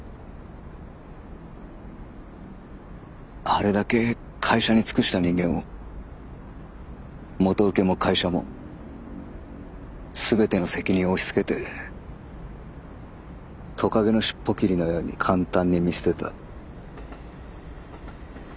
あれだけ会社に尽くした人間を元請けも会社も全ての責任を押しつけてとかげの尻尾きりのように簡単に見捨てた。